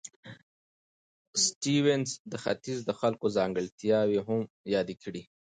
سټيونز د ختیځ د خلکو ځانګړتیاوې هم یادې کړې.